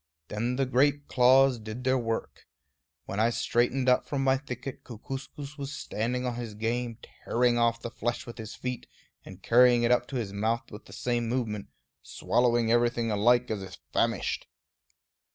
Then the great claws did their work. When I straightened up from my thicket, Kookooskoos was standing on his game, tearing off the flesh with his feet, and carrying it up to his mouth with the same movement, swallowing everything alike, as if famished.